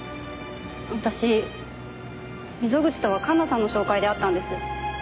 私溝口とは環那さんの紹介で会ったんです。